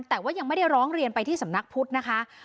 แต่ว่ายังไม่ได้ร้องเรียนไปที่สำนักพุทธนะคะ